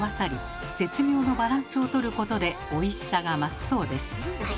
絶妙のバランスを取ることでおいしさが増すそうです。